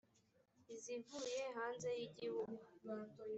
izivuye hanze y igihugu